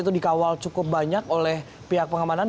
itu dikawal cukup banyak oleh pihak pengamanan